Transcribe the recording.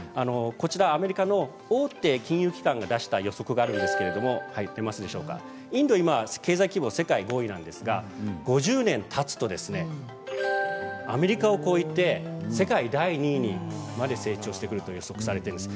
アメリカの大手金融機関が出した予測があるんですけれどもインドは今、経済規模世界５位なんですが５０年たつとアメリカを超えて世界第２位まで成長してくると予測されているんです。